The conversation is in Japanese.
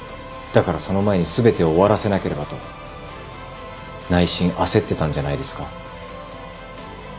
だからその前に全てを終わらせなければと内心焦ってたんじゃないですか？